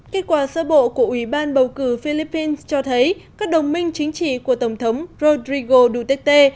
kết quả sơ bộ của ủy ban bầu cử philippines cho thấy các đồng minh chính trị của tổng thống rodrigo duterte